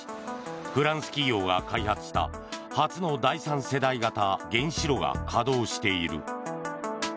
フランス企業が開発した初の第３世代型原子炉が稼働している。